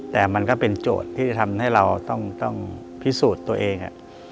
แต่มันก็เป็นโจทย์ที่จะทำให้เราต้องพิสูจน์ตัวเอง